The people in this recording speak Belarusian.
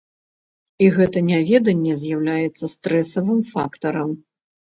І гэта няведанне з'яўляецца стрэсавым фактарам.